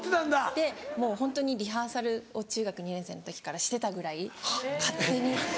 でもうホントにリハーサルを中学２年生の時からしてたぐらい勝手に。